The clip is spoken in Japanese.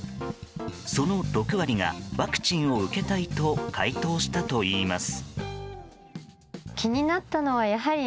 その６割がワクチンを受けたいと回答したといいます。